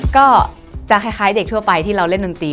ก็จะคล้ายเด็กทั่วไปที่เราเล่นดนตรี